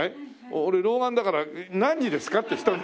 俺老眼だから「何時ですか？」って人に。